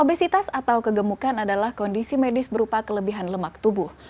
obesitas atau kegemukan adalah kondisi medis berupa kelebihan lemak tubuh